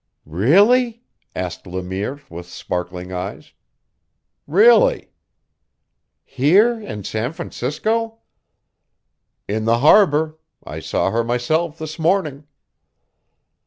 "Really?" asked Le Mire with sparkling eyes. "Really." "Here in San Francisco?" "In the harbor. I saw her myself this morning."